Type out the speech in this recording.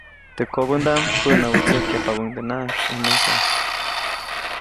Teʼ kobändaʼm päʼnawätsäjkyajpabäʼuŋdenaʼak ʼunese.